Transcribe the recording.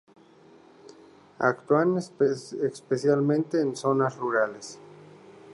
Actúan especialmente en zonas rurales.